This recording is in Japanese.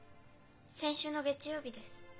先週の月曜日です。